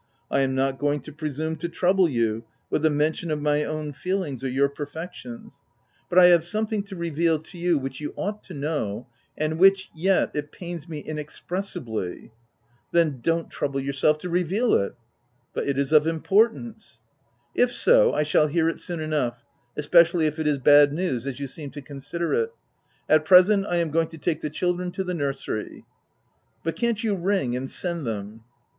I am not going to presume to trouble you with the mention of my own feelings or your perfections, but I have OF WILDFELL HALL. 269 something to reveal to you which you ought to know, and which, yet, it pains me inexpress ibly '' "Then don't trouble yourself to reveal it V " But it is of importance —'?" If so, I shall hear it soon enough — espe cially if it is bad news, as you seem to consider it. At present, I am going to take the children to the nursery.'* " But can't you ring, and send them